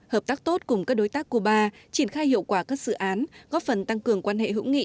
hợp tác tốt cùng các đối tác cuba triển khai hiệu quả các dự án góp phần tăng cường quan hệ hữu nghị